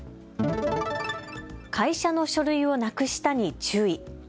会社の書類をなくしたに注意。